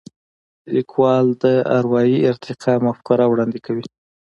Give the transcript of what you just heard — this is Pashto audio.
لیکوال د اروايي ارتقا مفکوره وړاندې کوي.